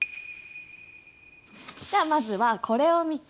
じゃまずはこれを見て。